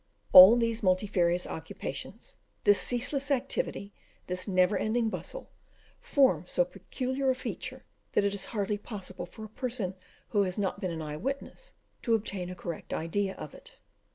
All these multifarious occupations this ceaseless activity, this never ending bustle, form so peculiar a feature, that it is hardly possible for a person who has not been an eye witness to obtain a correct idea of it.